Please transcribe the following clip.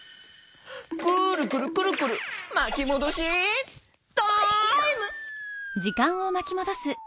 くるくるくるくるまきもどしタイム！